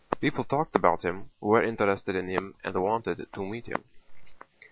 People talked about him, were interested in him, and wanted to meet him.